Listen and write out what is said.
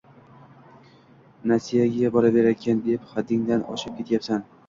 Nasiyaga beraverarkan, deb haddingdan oshib ketyapsan